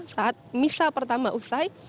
saat misah pertama usai